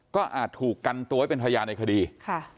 ก็อาจถูกกันตัวไว้เป็นพยานในคดีค่ะ